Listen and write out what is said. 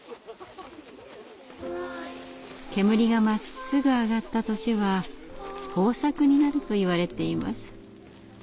煙がまっすぐ上がった年は豊作になるといわれています。